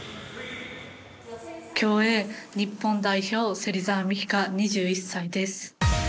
競泳日本代表芹澤美希香、２１歳です。